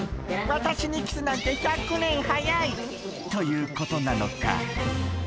「私にキスなんて１００年早い」ということなのか？